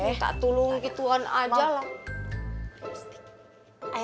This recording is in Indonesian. minta tolong gituan aja lah